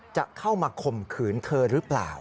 จะเข้ามาข่มขืนเธอหรือเปล่า